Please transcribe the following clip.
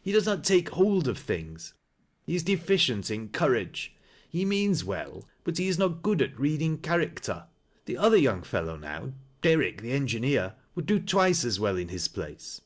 He does not take hold of •iiings. He is deficient in courage. He means well, but he is not good at reading character. That other young fellow now — Derrick, the engineer — would do twice as well in his place.